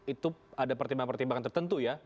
itu ada pertimbangan pertimbangan tertentu ya